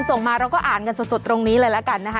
ส่งมาเราก็อ่านกันสดตรงนี้เลยละกันนะคะ